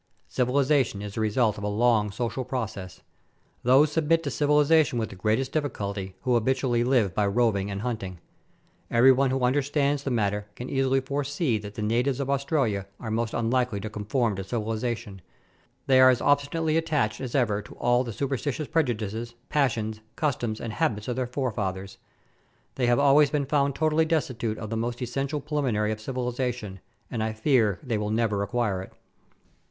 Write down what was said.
" Civilization is the result of a long social process." Those submit to civilization with the greatest difficulty who habitually live by roving and hunting. Every one who understands the matter can easily foresee that the natives of Australia are most unlikely to conform to civilization; they are as obstinately attached 274 Letters from Victorian Pioneers. as ever to all the superstitious prejudices, passions, customs, and habits of their forefathers ; they have always been found totally destitute of the most essential preliminary of civilization, and I fear they will never acquire it.